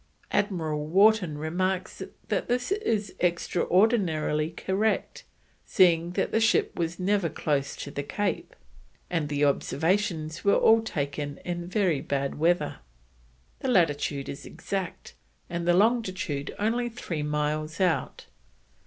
Admiral Wharton remarks that this is extraordinarily correct, seeing that the ship was never close to the Cape, and the observations were all taken in very bad weather. The latitude is exact, and the longitude only three miles out.